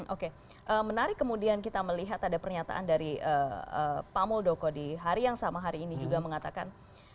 oke menarik kemudian kita melihat ada pernyataan dari pak muldoko di hari yang sama hari ini juga mengatakan